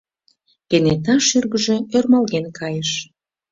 Кенета шӱргыжӧ ӧрмалген кайыш.